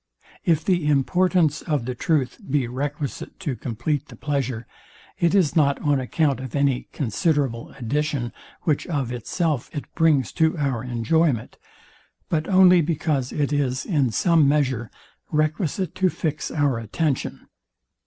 If the importance of the truth be requisite to compleat the pleasure, it is not on account of any considerable addition, which of itself it brings to our enjoyment, but only because it is, in some measure, requisite to fix our attention.